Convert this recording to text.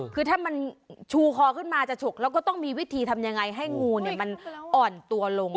คือถ้ามันชูคอขึ้นมาจะฉกแล้วก็ต้องมีวิธีทำยังไงให้งูมันอ่อนตัวลง